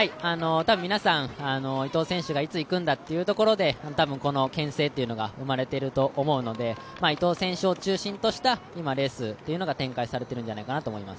皆さん、伊藤選手がいつ行くんだっていうところでたぶん、このけん制というのが生まれていると思うので、伊藤選手を中心としたレースが展開されているんじゃないかなと思います。